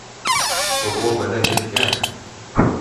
بۇغۇ بەلەن گەپ ئىكەن.